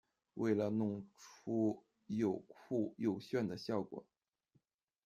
为了弄出又酷又炫的效果